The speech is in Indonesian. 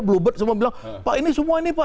bluebit semua bilang pak ini semua ini pak